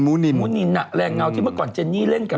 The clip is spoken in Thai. นินมูนินแรงเงาที่เมื่อก่อนเจนนี่เล่นกับ